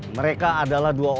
mereka adalah dua orangnya